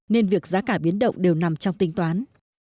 nên việc giá cả biến động đều nằm trong tinh toán